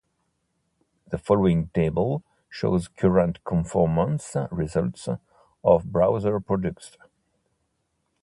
The following table shows current conformance results of browser products.